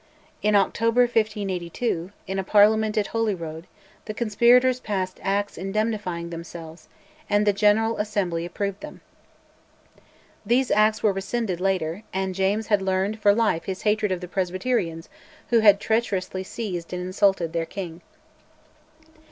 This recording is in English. In October 1582, in a Parliament at Holyrood, the conspirators passed Acts indemnifying themselves, and the General Assembly approved them. These Acts were rescinded later, and James had learned for life his hatred of the Presbyterians who had treacherously seized and insulted their king.